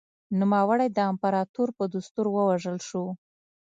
نوموړی د امپراتور په دستور ووژل شو